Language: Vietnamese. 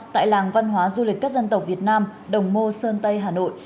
tại làng văn hóa du lịch các dân tộc việt nam đồng mô sơn tây hà nội